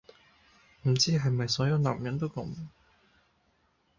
唔知係咪所有男人都係咁